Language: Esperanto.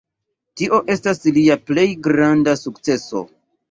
Tio estas lia plej granda sukceso.